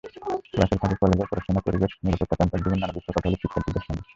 ক্লাসের ফাঁকে কলেজের পড়াশোনা, পরিবেশ, নিরাপত্তা, ক্যাম্পাস জীবন—নানা বিষয়ে কথা হলো শিক্ষার্থীদের সঙ্গে।